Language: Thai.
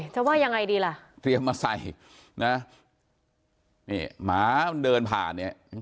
ว่ายังไงดีล่ะเตรียมมาใส่นะนี่หมามันเดินผ่านเนี่ย